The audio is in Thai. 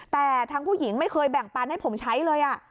แต่ทั้งผู้หญิงไม่เคยแบ่งปันให้ผมใช้เลย